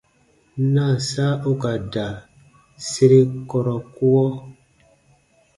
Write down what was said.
Naasa u ka da sere kɔrɔkuɔ.